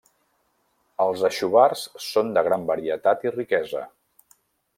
Els aixovars són de gran varietat i riquesa.